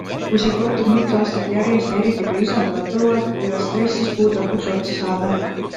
Kui see kordub mitu aastat järjest ja eriti kui lisanduvad põuad, võivad stressis puud lõpuks otsa saada.